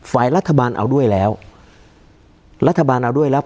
ฝ่ายรัฐบาลเอาด้วยแล้วรัฐบาลเอาด้วยแล้ว